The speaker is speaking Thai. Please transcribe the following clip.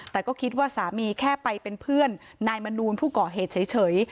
แต่ก็คิดว่าสามีแค่ไปเป็นเพื่อนนายมนูลผู้ก่อเหตุเฉย